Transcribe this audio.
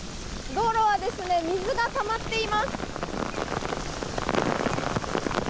道路は水がたまっています。